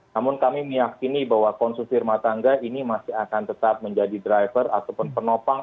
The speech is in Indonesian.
namun kami meyakini bahwa konsumsi rumah tangga ini masih akan tetap menjadi driver ataupun penopang